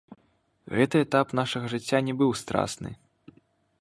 Гэты этап нашага жыцця не быў страсны.